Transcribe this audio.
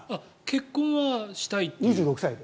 結婚はしたいって。